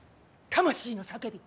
魂の叫び！